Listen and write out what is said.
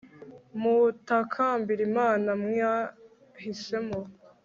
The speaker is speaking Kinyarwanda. mutakambire imana mwahisemo